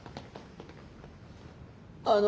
あの。